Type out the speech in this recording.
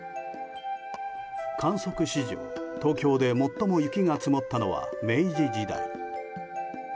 観測史上、東京で最も雪が積もったのは明治時代。